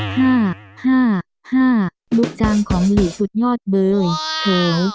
ห้าห้าห้าลูกจางของหลีสุดยอดเบ้ยเผ๋ว